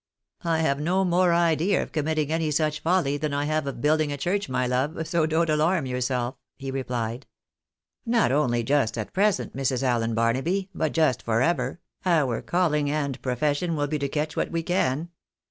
" I have no more idea of committing any such folly, than I have of building a church, my love, so don't alarm yourself," he replied. " Not only just at present, Mrs. Allen Barnaby, but just for ever, our calling and our profession will be to catch what we can.